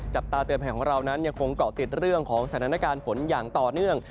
จับตาเตือนภัยของเรานั้นยังคงเกาะติดเรื่องของสถานการณ์ฝนอย่างต่อเนื่อง